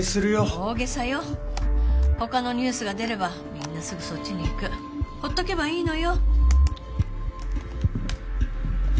大げさよ他のニュースが出ればみんなすぐそっちに行くほっとけばいいのよ